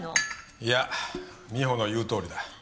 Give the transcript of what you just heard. いや美帆の言うとおりだ。